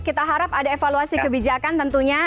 kita harap ada evaluasi kebijakan tentunya